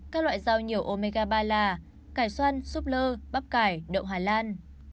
các loại rau nhiều omega ba là cải xoan súp lơ bắp cải đậu hải lan